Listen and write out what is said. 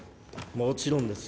もちろんです。